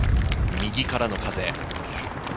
右からの風。